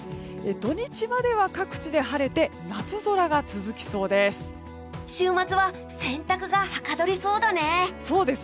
土日までは各地で晴れて夏空が続きそうです。